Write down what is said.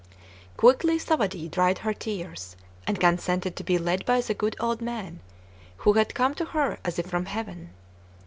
Quickly Thawadee dried her tears, and consented to be led by the good old man, who had come to her as if from heaven.